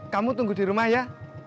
kamu tunggu di rumah ya